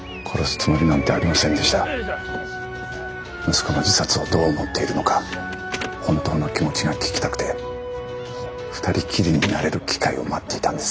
息子の自殺をどう思っているのか本当の気持ちが聞きたくて２人きりになれる機会を待っていたんです。